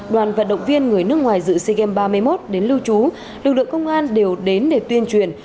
đoàn vận động viên người nước ngoài dự sea games ba mươi một đến lưu trú lực lượng công an đều đến để tuyên truyền